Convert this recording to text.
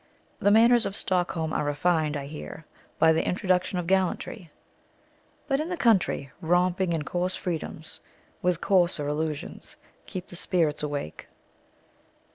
The manners of Stockholm are refined, I hear, by the introduction of gallantry; but in the country, romping and coarse freedoms, with coarser allusions, keep the spirits awake.